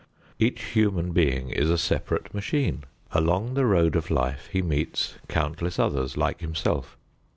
Each human being is a separate machine. Along the road of life he meets countless others like himself.